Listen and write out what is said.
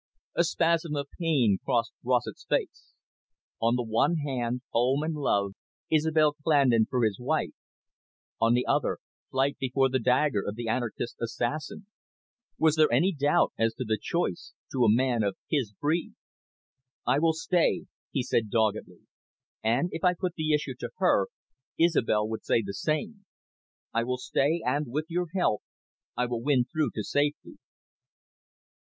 A spasm of pain crossed Rossett's face. On the one hand, home and love, Isobel Clandon for his wife. On the other, flight before the dagger of the anarchist assassin. Was there any doubt as to the choice, to a man of his breed? "I will stay," he said doggedly. "And, if I put the issue to her, Isobel would say the same. I will stay, and, with your help, I will win through to safety."